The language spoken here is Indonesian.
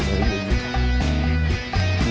pernah kelas pak